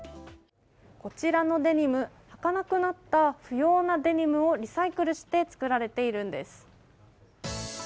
こちらのデニム、はかなくなった不要なデニムをリサイクルして作られているんです。